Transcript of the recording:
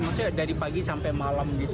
maksudnya dari pagi sampai malam gitu